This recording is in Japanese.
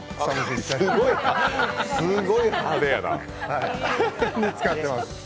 すごい派手やな。